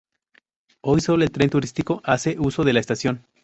Hoy solo el tren turístico hace uso de la estación.